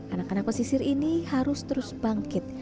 anak anak pesisir ini harus terus bangkit